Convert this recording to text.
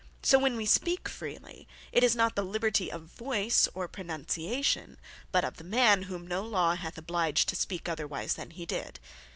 So when we Speak Freely, it is not the liberty of voice, or pronunciation, but of the man, whom no law hath obliged to speak otherwise then he did.